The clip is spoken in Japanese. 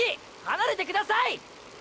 離れてください！！